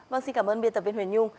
vâng xin cảm ơn biên tập viên huyền nhung